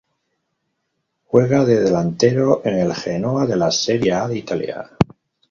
Juega de delantero en el Genoa de la Serie A de Italia.